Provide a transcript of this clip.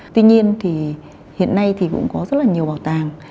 tuy nhiên thì hiện nay cũng có rất nhiều bảo tàng